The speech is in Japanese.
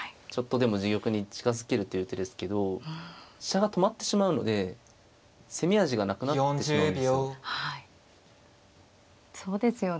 ちょっとでも自玉に近づけるという手ですけど飛車が止まってしまうので攻め味がなくなってしまうんです。